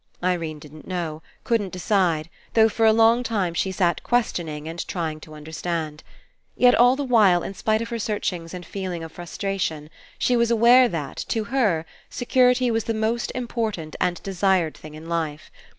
Irene didn't know, couldn't decide, though for a long time she sat questioning and trying to understand. Yet all the while. In spite of her searchlngs and feeling of frustration, she was aware that, to her, security was the most Important and desired thing In life.